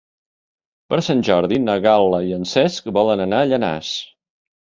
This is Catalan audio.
Per Sant Jordi na Gal·la i en Cesc volen anar a Llanars.